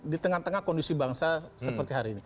di tengah tengah kondisi bangsa seperti hari ini